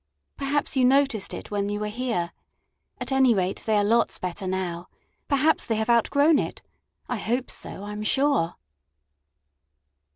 Perhaps you noticed it when you were here. At any rate, they are lots better now. Perhaps they have out grown it. I hope so, I'm sure.